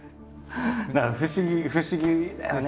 だから不思議不思議だよね